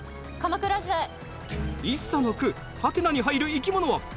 一茶の句ハテナに入る生き物は？